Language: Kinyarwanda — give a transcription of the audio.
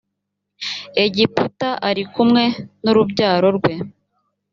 egiputa ari kumwe n’urubyaro rwe